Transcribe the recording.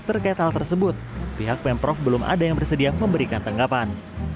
terkait hal tersebut pihak pemprov belum ada yang bersedia memberikan tanggapan